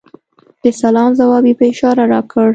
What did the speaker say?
د سلام ځواب یې په اشاره راکړ .